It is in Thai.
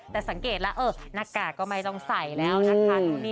แต่สังเกตแล้วหน้ากากก็ไม่ต้องใส่แล้วนะคะ